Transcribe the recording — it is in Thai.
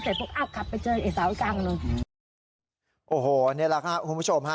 เสร็จปุ๊บอ้าวขับไปเจอไอ้สาวไอ้กลางลงอืมโอ้โหเนี่ยแหละค่ะคุณผู้ชมฮะ